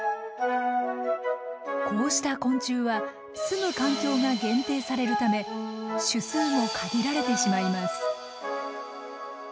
こうした昆虫はすむ環境が限定されるため種数も限られてしまいます。